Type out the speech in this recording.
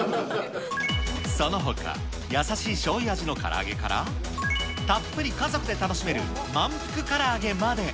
そのほか、優しいしょうゆ味のから揚げから、たっぷり家族で楽しめるまんぷくからあげまで。